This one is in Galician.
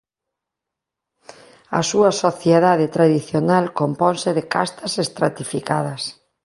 A súa sociedade tradicional componse de castas estratificadas.